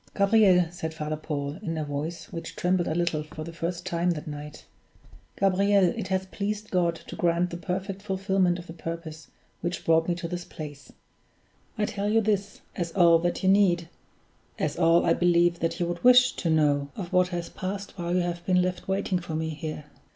"Gabriel," said Father Paul, in a voice which trembled a little for the first time that night "Gabriel, it has pleased God to grant the perfect fulfillment of the purpose which brought me to this place; I tell you this, as all that you need as all, I believe, that you would wish to know of what has passed while you have been left waiting for me here.